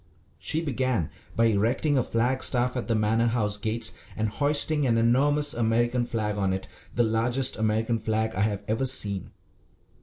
She began by erecting a flag staff at the Manor House gates and hoisting an enormous American flag on it, the largest American flag I have ever seen.